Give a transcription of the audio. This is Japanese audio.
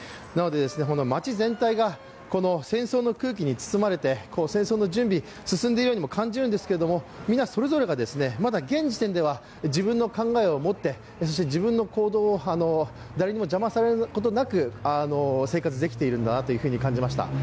なので街全体が戦争の空気に包まれて戦争の準備が進んでいるようにも感じるんですけど、みんなそれぞれがまだ現時点では自分の考えを持ってそして自分の行動を誰にも邪魔されることなく生活できているんだなと感じました。